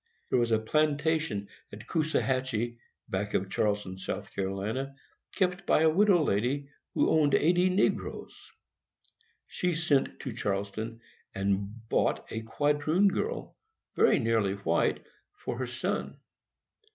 There was a plantation at Coosahatchie, back of Charleston, S. C., kept by a widow lady, who owned eighty negroes. She sent to Charleston, and bought a quadroon girl, very nearly white, for her son.